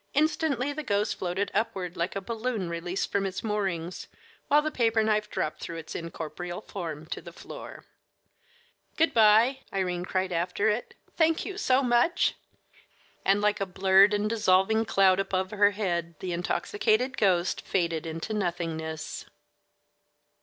Instantly the ghost floated upward like a balloon released from its moorings, while the paper knife dropped through its incorporeal form to the floor. "Good by," Irene cried after it. "Thank you so much!" And like a blurred and dissolving cloud above her head the intoxicated ghost faded into nothingness.